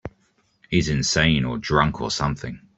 He's insane or drunk or something.